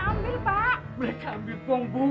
apa yang mereka ambil pak